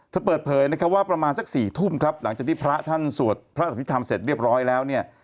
เปิดเผยนะครับว่าประมาณสัก๔ทุ่มครับหลังจากที่พระท่านสวดพระอภิษฐรรมเสร็จเรียบร้อยแล้วเนี่ย